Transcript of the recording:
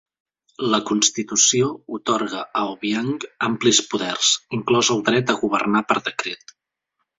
La constitució atorga a Obiang amplis poders, inclòs el dret a governar per decret.